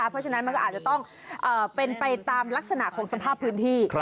เพราะฉะนั้นมันก็อาจจะต้องเป็นไปตามลักษณะของสภาพพื้นที่